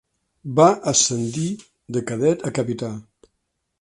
Va ascendir de cadet a capità.